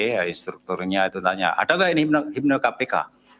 ya instrukturnya itu tanya ada nggak ini himne kpk